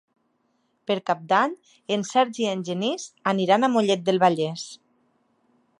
Per Cap d'Any en Sergi i en Genís aniran a Mollet del Vallès.